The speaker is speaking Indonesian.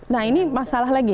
nah ini masalah lagi